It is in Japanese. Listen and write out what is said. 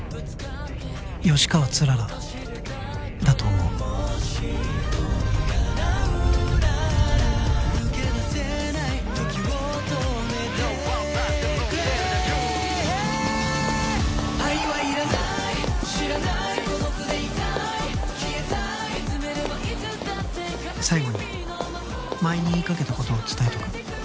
「吉川氷柱だと思う」「最後に前に言いかけたことを伝えとく」